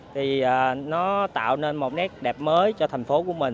thì nó tạo nên một nét đẹp mới cho thành phố của mình